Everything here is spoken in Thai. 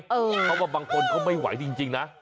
เพราะว่าบางคนเขาไม่ไหวจริงนะ